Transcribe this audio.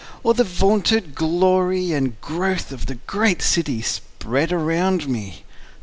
Or the vaunted glory and growth of the great city spread around me?